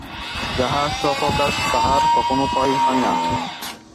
যাহা স্বপ্রকাশ, তাহার কখনও ক্ষয় হয় না।